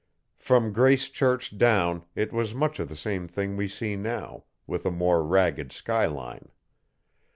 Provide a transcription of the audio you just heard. From Grace Church down it was much of the same thing we see now, with a more ragged sky line.